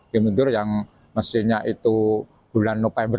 ya mundur yang mestinya itu bulan november